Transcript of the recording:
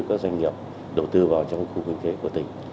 các doanh nghiệp đầu tư vào trong khu kinh tế của tỉnh